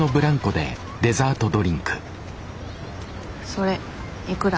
それいくら？